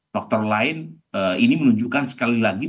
faktor lain ini menunjukkan sekali lagi